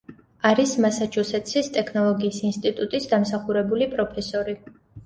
არის მასაჩუსეტსის ტექნოლოგიის ინსტიტუტის დამსახურებული პროფესორი.